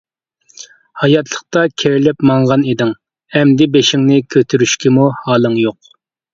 ھاياتلىقتا كېرىلىپ ماڭغان ئىدىڭ، ئەمدى بېشىڭنى كۆتۈرۈشكىمۇ ھالىڭ يوق.